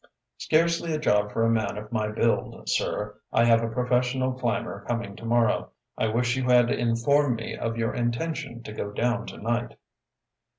"Scarcely a job for a man of my build, sir. I have a professional climber coming to morrow. I wish you had informed me of your intention to go down to night."